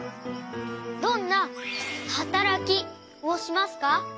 どんなはたらきをしますか？